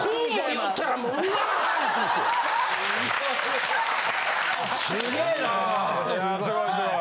いやすごいすごい。